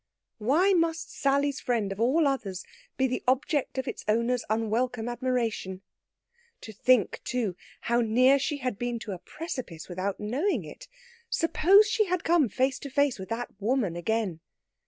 Why must Sally's friend, of all others, be the object of its owner's unwelcome admiration? To think, too, how near she had been to a precipice without knowing it! Suppose she had come face to face with that woman again!